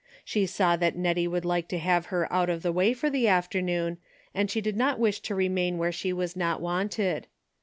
She saw that Net tie would like to have her out of the way for the afternoon, and she did not wish to remain where she was not wanted.